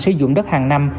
sử dụng đất hàng năm